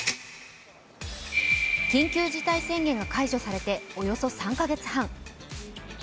緊急事態宣言が解除されておよそ３カ月半。